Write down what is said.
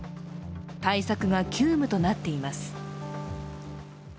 対策が急務となっています。